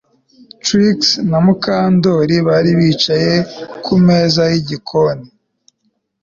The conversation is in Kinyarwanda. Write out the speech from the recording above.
Trix na Mukandoli bari bicaye kumeza yigikoni